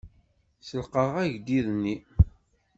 Selqeḍ agḍiḍ-nni.